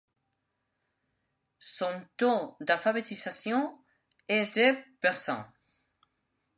Son taux d'alphabétisation est de %.